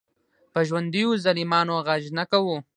په ژوندیو ظالمانو غږ نه کوو.